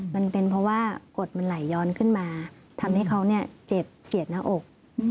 มันเป็นเพราะว่ากฎมันไหลย้อนขึ้นมาทำให้เขาเจ็บเกลียดหน้าอก